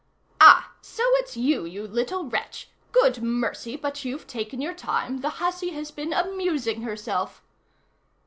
"Ah! so it's you, you little wretch! good mercy, but you've taken your time! The hussy has been amusing herself!"